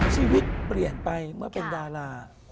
ชีวิตเปลี่ยนไปเมื่อเป็นดารา